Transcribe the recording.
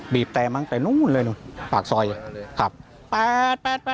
บีบแตนมั้งไปนู่นเลยปากซอยขับแป๊ด